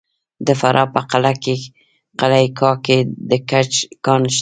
د فراه په قلعه کاه کې د ګچ کان شته.